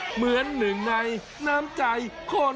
เหมือนหนึ่งในน้ำใจคน